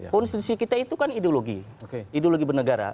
konstitusi kita itu kan ideologi ideologi bernegara